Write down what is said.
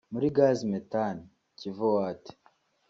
muri Gas Methane [Kivu Watt]